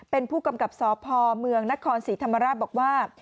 เป็นผู้กำกับสพเมืองนครศรีธรรมราชบอกว่า